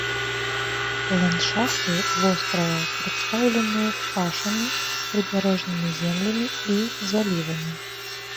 Ландшафты вострава прадстаўлены пашамі, прыбярэжнымі землямі і залівамі.